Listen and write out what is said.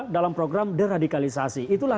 dalam program deradikalisasi itulah